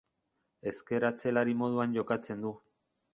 Ezker atzelari moduan jokatzen du.